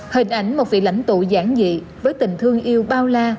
hình ảnh một vị lãnh tụ giản dị với tình thương yêu bao la